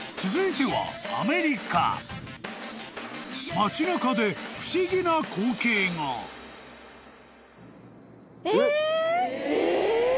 ［街中で不思議な光景が］え！？え！？